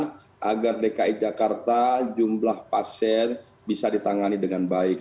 kita berharap agar dki jakarta jumlah pasien bisa ditangani dengan baik